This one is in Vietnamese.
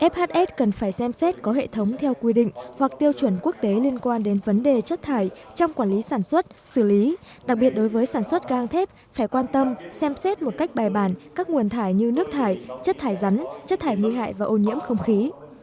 fhs cần phải xem xét có hệ thống theo quy định hoặc tiêu chuẩn quốc tế liên quan đến vấn đề chất thải trong quản lý sản xuất xử lý đặc biệt đối với sản xuất gang thép phải quan tâm xem xét một cách bài bản các nguồn thải như nước thải chất thải rắn chất thải nguy hại và ô nhiễm không khí